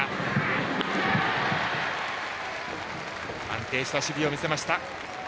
安定した守備を見せました。